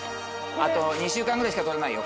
あと２週間ぐらいしか採れないよ